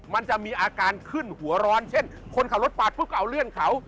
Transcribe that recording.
มันจะมีอาการขึ้นหัวร้อนเช่นคนขับรถปาดปุ๊บก็เอาเลื่อนเขา